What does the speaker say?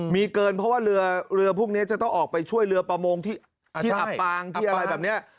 มีเกินเพราะว่าเรือพวกนี้จะต้องออกไปช่วยเรือประมงที่อับปางที่อะไรแบบนี้